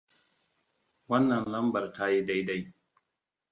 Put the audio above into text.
Wannan lambar ta yi dai-dai.